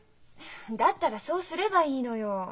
だったらそうすればいいのよ。